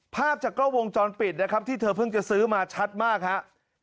ภาพจากกล้องวงจรปิดนะครับที่เธอเพิ่งจะซื้อมาชัดมากครับ